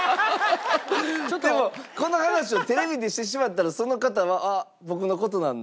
でもこの話をテレビでしてしまったらその方はあっ僕の事なんだなって。